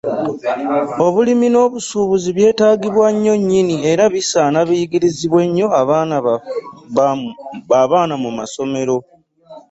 Obulimi n'obusuubuzi byetaagibwa nnyo nnyini era bisaana biyigirizibwe nnyo abaana mu masomero.